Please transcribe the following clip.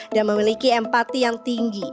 dan memiliki empati yang tinggi